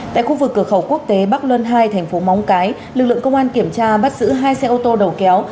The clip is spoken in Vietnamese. tại khu vực cửa khẩu quốc tế bắc luân hai thành phố móng cái lực lượng công an kiểm tra bắt giữ hai xe ô tô đầu kéo